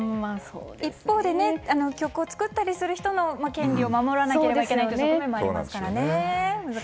一方で曲を作ったりする人の権利も守らなければいけないという側面もありますからね。